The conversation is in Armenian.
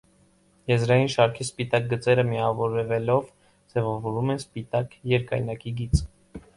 Եզրային շարքի սպիտակ գծերը միավորվելով ձևավորում են սպիտակ երկայնակի գիծ։